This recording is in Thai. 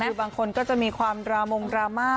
คือบางคนก็จะมีความดรามงดราม่า